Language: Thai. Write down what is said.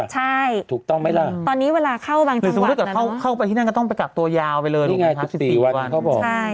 ใช่ถูกต้องไหมล่ะหรือสมมุติว่าเข้าไปที่นั่นก็ต้องไปกักตัวยาวไปเลยหรือเปล่าครับสิบสี่วันเขาบอก